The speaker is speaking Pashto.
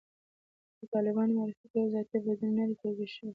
د طالبانو معرفتي او ذاتي بعدونه نه دي توضیح شوي.